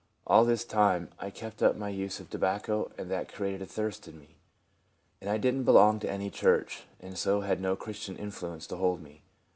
All this time I kept up the use of tobacco, and that created a thirst in me. And I did n't belong to any church, and so had no Christian influence to hold me.